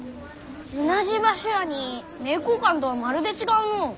同じ場所やに名教館とはまるで違うのう。